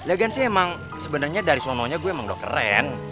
lihat kan sih emang sebenernya dari sononya gue emang udah keren